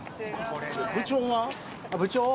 部長は？